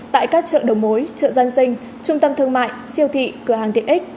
tại các chợ đầu mối chợ dân sinh trung tâm thương mại siêu thị cửa hàng tiện ích